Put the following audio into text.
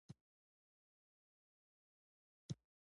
د افغانانو لباسونه تاریخي مخینه لري.